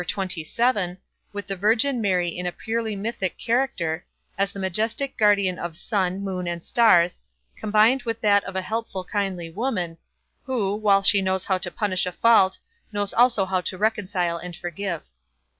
xxvii, with the Virgin Mary in a truly mythic character, as the majestic guardian of sun, moon and stars, combined with that of a helpful, kindly woman, who, while she knows how to punish a fault, knows also how to reconcile and forgive.